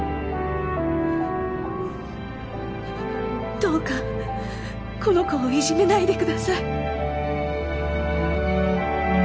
どうかこの子をいじめないでください